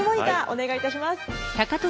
お願いいたします。